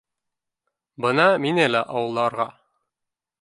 Бына мине лә ауларға